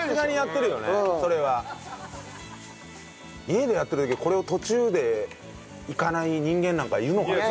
家でやってる時これを途中でいかない人間なんかいるのかな？